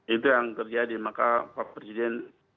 itu yang terjadi maka pak presiden